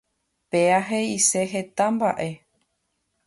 Péa he'ise heta mba'e.